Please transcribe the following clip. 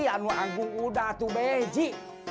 anu angu udatu beji